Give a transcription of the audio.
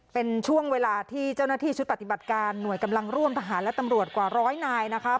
เป็นช่วงเวลาที่เจ้าหน้าที่ชุดปฏิบัติการหน่วยกำลังร่วมทหารและตำรวจกว่าร้อยนายนะคะ